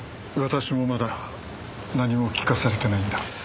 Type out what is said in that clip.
私もまだ何も聞かされてないんだ。